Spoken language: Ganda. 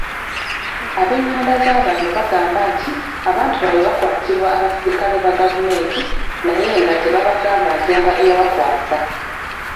Ab'enganda za bano bagamba nti abantu baabwe baakwatibwa abasirikale ba gavumenti naye nga tebaabagamba nsonga eyabakwasa.